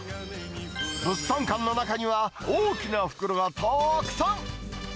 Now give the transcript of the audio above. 物産館の中には大きな袋がたくさん。